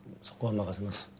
そこは任せます。